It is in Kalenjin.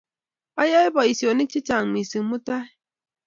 Ayoe poisyonik chechang' missing' mutai